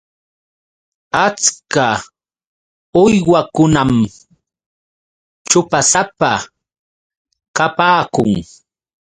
Achka uywakunam ćhupasapa kapaakun.